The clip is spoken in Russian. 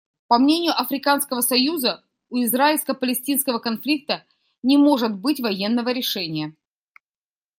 По мнению Африканского союза, у израильско-палестинского конфликта не может быть военного решения.